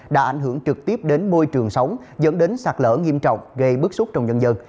đã ảnh hưởng trực tiếp đến môi trường sống dẫn đến sạt lở nghiêm trọng gây bức xúc trong nhân dân